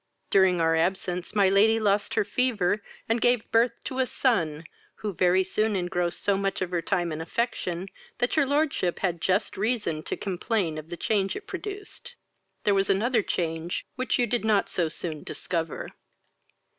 During our absence my lady lost her fever, and gave birth to a son, who very soon engrossed so much of her time and affection, that your lordship had just reason to complain of the change it produced. There was another change which you did not so soon discover.